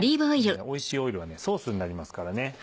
おいしいオイルはソースになりますからね。